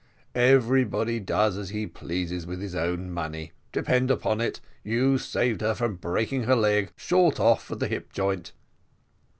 Everybody does as he pleases with his own money, depend upon it, you saved her from breaking her leg short off at the hip joint."